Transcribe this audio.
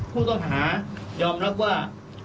ผู้ต้องหายอมรับว่า